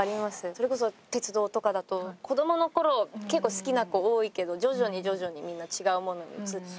それこそ鉄道とかだと子供の頃結構好きな子多いけど徐々に徐々にみんな違うものに移って。